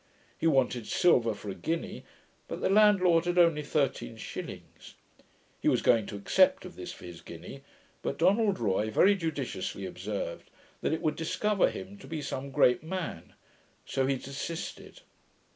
He wanted silver for a guinea, but the landlord had only thirteen shillings. He was going to accept of this for his guinea; but Donald Roy very judiciously observed, that it would discover him to be some great man; so he desisted.